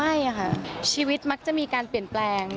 ใช่ค่ะชีวิตมักจะมีการเปลี่ยนแปลง